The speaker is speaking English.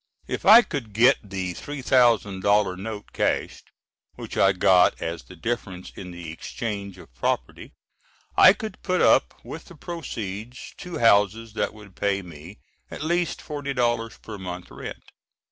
If I could get the $3000 note cashed, which I got as the difference in the exchange of property, I could put up with the proceeds two houses that would pay me, at least, $40 per month rent.